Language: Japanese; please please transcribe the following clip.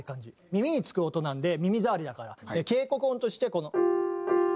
耳につく音なので耳障りだから警告音としてこの。